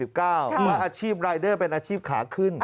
อาชีพรายเดอร์เป็นอาชีพขาขึ้น